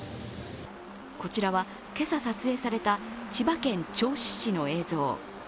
こちらは、今朝撮影された千葉県銚子市の映像。